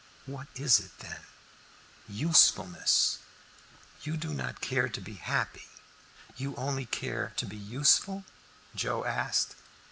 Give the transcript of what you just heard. "What is it then?" "Usefulness," said John. "You do not care to be happy, you only care to be useful?" Joe asked.